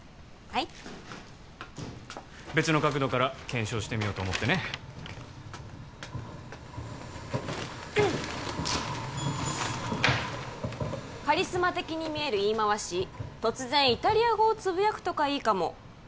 はい別の角度から検証してみようと思ってね「カリスマ的に見える言い回し」「突然イタリア語をつぶやくとかいいかも」